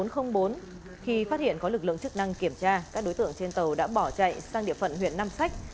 khi phát hiện có lực lượng chức năng kiểm tra các đối tượng trên tàu đã bỏ chạy sang địa phận huyện nam sách